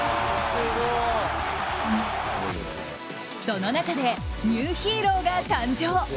その中でニューヒーローが誕生！